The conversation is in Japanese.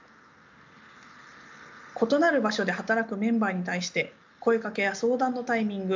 異なる場所で働くメンバーに対して声かけや相談のタイミング